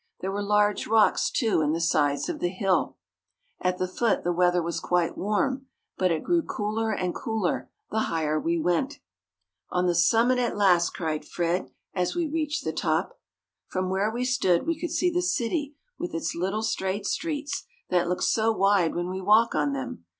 There were large rocks, too, in the sides of the hill. At the foot, the weather was quite warm, but it grew cooler and cooler the higher we went. [Illustration: "WE COULD SEE THE CITY WITH ITS LITTLE STRAIGHT STREETS."] "On the summit at last!" cried Fred, as we reached the top. From where we stood, we could see the city with its little straight streets, that look so wide when we walk on them.